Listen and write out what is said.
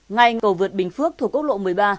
ngay cầu vượt bình phước thủ cốc lộ một mươi ba